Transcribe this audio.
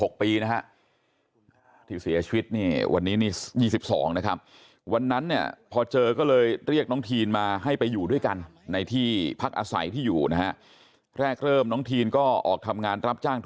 เขาเป็นมากกว่านั้น